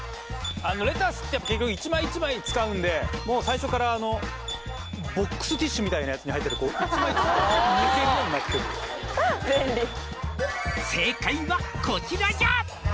レタスってやっぱ結局一枚一枚使うんでもう最初からボックスティッシュみたいなやつに入ってて一枚ずつ抜けるようになってる「正解はこちらじゃ」